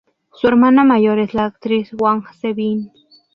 Su hermana mayor es la actriz Wang Se-bin.